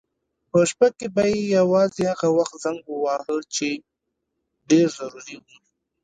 په شپه کې به یې یوازې هغه وخت زنګ واهه چې ډېر ضروري و.